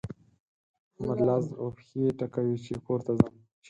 احمد لاس و پښې ټکوي چې کور ته ځم.